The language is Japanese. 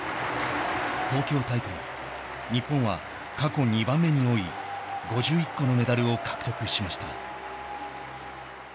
東京大会、日本は過去２番目に多い５１個のメダルを獲得しました。